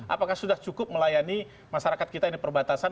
apakah sudah cukup melayani masyarakat kita yang di perbatasan